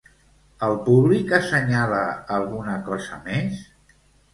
El públic assenyala alguna cosa més?